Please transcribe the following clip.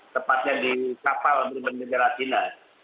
tepatnya di kapal berbeda beda rastina